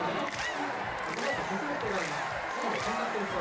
この後、進む必要があります。